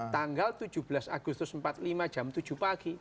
tanggal tujuh belas agustus seribu sembilan ratus empat puluh lima jam tujuh pagi